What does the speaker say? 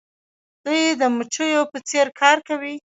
دوی د مچیو په څیر کار کوي.